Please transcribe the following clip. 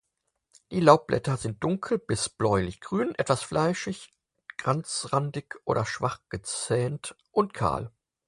Die Laubblätter sind dunkel- bis bläulich-grün, etwas fleischig, ganzrandig oder schwach gezähnt und kahl.